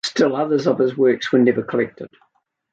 Still others of his works were never collected.